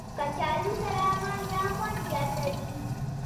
کچالو سره مالګه خوند زیاتوي